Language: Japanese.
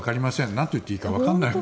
なんと言っていいかわからない。